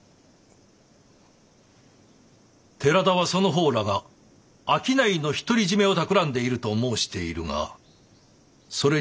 寺田はその方らが商いの独り占めをたくらんでいると申しているがそれに相違ないか？